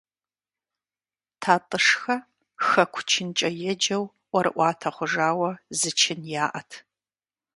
ТатӀышхэ «хэку чынкӏэ» еджэу, ӀуэрыӀуатэ хъужауэ зы чын яӀэт.